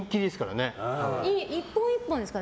１本１本ですか？